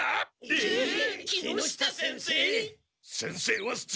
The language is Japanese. えっ？